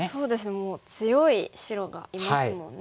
もう強い白がいますもんね。